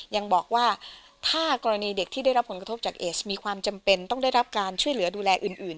ยังบอกว่าถ้ากรณีเด็กที่ได้รับผลกระทบจากเอสมีความจำเป็นต้องได้รับการช่วยเหลือดูแลอื่น